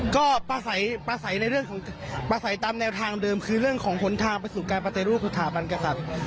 ก็ประสัยตามแนวทางเดิมคือเรื่องของผลทางประสุทธิ์การปฏิรูปสุทธาปันกษัตริย์